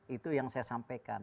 itu yang saya sampaikan